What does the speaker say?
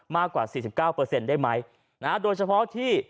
มากกว่า๔๙เปอร์เซ็นต์ได้ไหมโดยเฉพาะที่